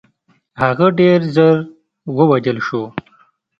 هغه ډېر ژر ووژل شو.